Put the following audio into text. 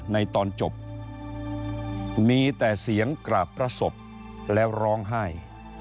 ในตอนจบมีแต่เสียงกราบพระศพแล้วร้องไห้